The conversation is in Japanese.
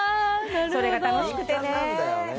それが楽しくてね。